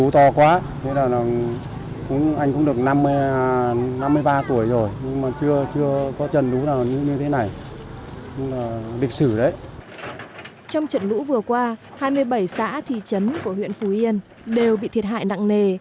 trong trận lũ vừa qua hai mươi bảy xã thị trấn của huyện phú yên đều bị thiệt hại nặng nề